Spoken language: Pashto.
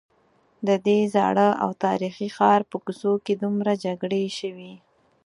ددې زاړه او تاریخي ښار په کوڅو کې دومره جګړې شوي.